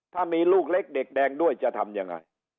ถ้ามีลูกเล็กเด็กแดงด้วยจะทำยังไง